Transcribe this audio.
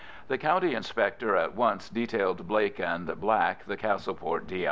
The County Inspector at once detailed Blake and Black, the Castleport D.